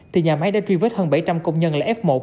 thì nhà máy đã truy vết hơn bảy trăm linh công nhân là f một